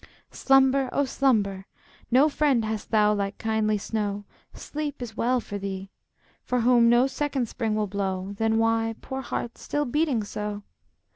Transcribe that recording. Slumber, oh, slumber! No friend hast thou like kindly snow; Sleep is well for thee, For whom no second spring will blow; Then why, poor heart, still beating so?